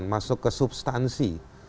masuk ke substansi